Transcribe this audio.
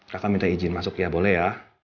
raka minta izin masuk ya boleh ya